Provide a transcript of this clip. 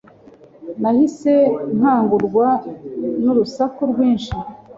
Nahise nkangurwa n urusaku rwinshi.